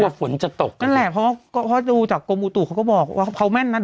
ฝนจะตกนั่นแหละเพราะว่าก็เพราะดูจากกรมอุตุเขาก็บอกว่าเขาแม่นนะ